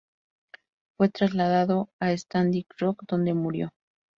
Fue trasladado a Standing Rock, donde murió.